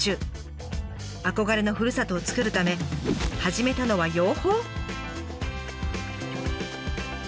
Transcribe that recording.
憧れのふるさとをつくるため始めたのは養蜂？